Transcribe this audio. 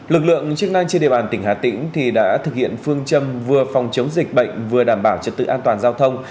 lực lượng chức năng trên địa bàn tỉnh hà tĩnh đã thực hiện phương châm vừa phòng chống dịch bệnh vừa đảm bảo trật tự an toàn giao thông